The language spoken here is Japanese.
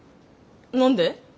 何で？